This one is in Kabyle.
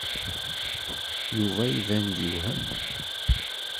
Yuba iban-d yewhem.